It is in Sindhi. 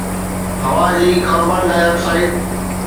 هوا جي ڪاربان ڊاءِ آڪسائيڊ